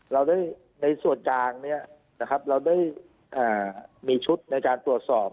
เราได้ในส่วนกลางเนี่ยนะครับเราได้มีชุดในการตรวจสอบ